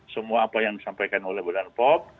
semua apa yang disampaikan oleh badan pop